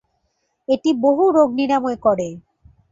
এটি বহু রোগ নিরাময় করে।